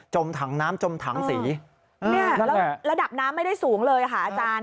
จมถังน้ำจมถังสีระดับน้ำไม่ได้สูงเลยค่ะอาจารย์